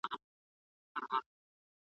که تعلیمي ویډیو وي نو استعداد نه وژل کیږي.